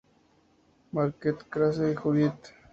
Marquet-Krause, Judith.